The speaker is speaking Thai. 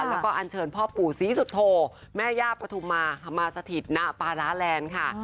แล้วก็อันเชิญพ่อปู่ศรีสุโธแม่ย่าปฐุมาสถิตณปาร้าแลนด์ค่ะ